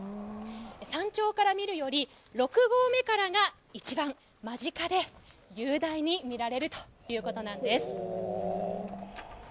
山頂から見るより、六合目から一番間近で雄大に見られるということなんです。